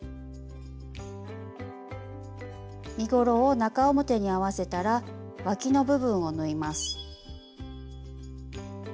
身ごろを中表に合わせたらわきの部分を縫います。